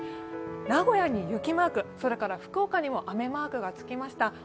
名古屋に雪マーク、福岡にも雨マークがつきました。